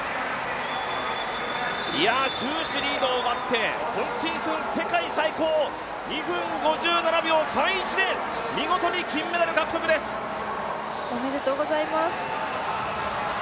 終始リードを奪って、今シーズン世界最高、２分５７秒３１で見事に金メダル獲得です。おめでとうございます。